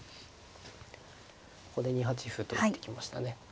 ここで２八歩と打ってきましたね。